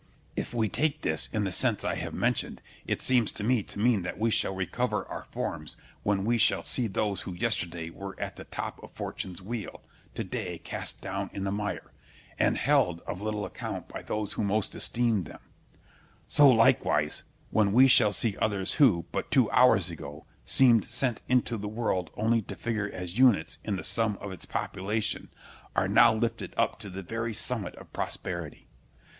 If we take this in the sense I have mentioned, it seems to me to mean that we shall recover our forms when we shall see those who yesterday were at the top of fortune's wheel, to day cast down in the mire, and held of little account by those who most esteemed them; so, likewise, when we shall see others who, but two hours ago, seemed sent into the world only to figure as units in the sum of its population, and now are lifted up to the very summit of prosperity.